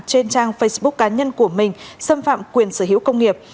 trên trang facebook cá nhân của mình xâm phạm quyền sở hữu công nghiệp